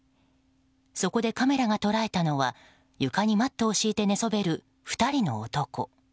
そこでカメラが捉えたのは床にマットを敷いて寝そべる２人の男。